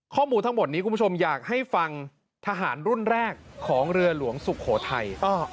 ข้อมูลทั้งหมดนี้คุณผู้ชมอยากให้ฟังทหารรุ่นแรกของเรือหลวงสุโขทัย